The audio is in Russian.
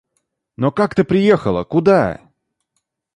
Но как ты приехала, куда?